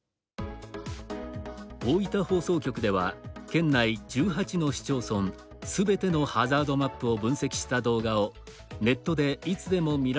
大分放送局では、県内１８の市町村すべてのハザードマップを分析した動画をネットでいつでも見られるように公開しています。